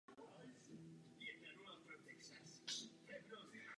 Nejstarší opevnění bylo pravděpodobně postaveno na přelomu starší a střední doby bronzové.